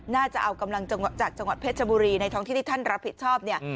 น่าจะเอากำลังจากจังหวัดเพชรบุรีในท้องที่ที่ท่านรับผิดชอบเนี่ย